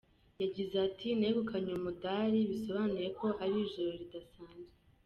Yagize ati “Negukanye umudali bisobanuye ko ari ijoro ridasanzwe.